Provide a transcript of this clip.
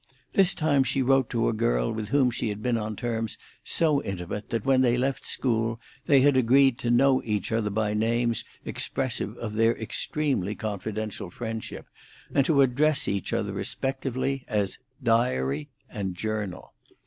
This time she wrote to a girl with whom she had been on terms so intimate that when they left school they had agreed to know each other by names expressive of their extremely confidential friendship, and to address each other respectively as Diary and Journal.